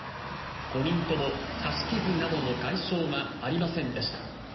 ５人とも刺し傷などの外傷はありませんでした。